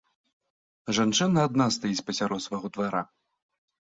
Жанчына адна стаіць пасярод свайго двара.